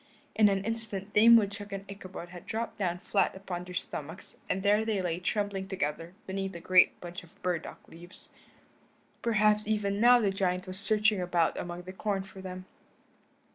In an instant Dame Woodchuck and Ichabod had dropped down flat upon their stomachs and there they lay trembling together beneath a great bunch of burdock leaves. Perhaps even now the giant was searching about among the corn for them.